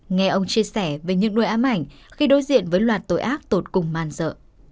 nghe ông chia sẻ về những nỗi ám ảnh khi đối diện với loạt tội ác tội cùng man dợ